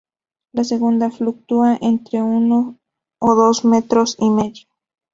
La segunda, fluctúa entre uno a dos metros y medio.